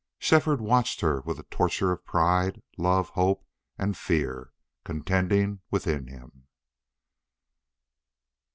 Shefford watched her with a torture of pride, love, hope, and fear contending within him.